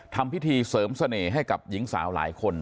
ทำพิธีเสริมเสน่ห์ให้กับหญิงสาวหลายคน